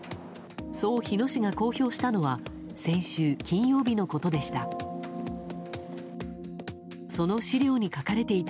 そう日野市が公表したのは先週金曜日のことでした。